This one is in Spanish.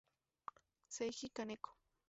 Seiji Kaneko